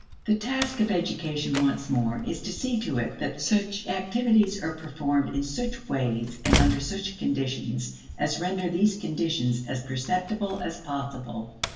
The task of education, once more, is to see to it that such activities are performed in such ways and under such conditions as render these conditions as perceptible as possible.